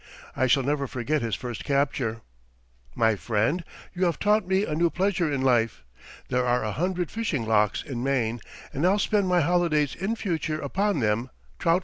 I shall never forget his first capture: "My friend, you have taught me a new pleasure in life. There are a hundred fishing lochs in Maine, and I'll spend my holidays in future upon them trout fishing."